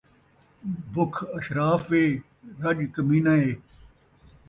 بکھ اشراف اے، رڄ کمینہ اے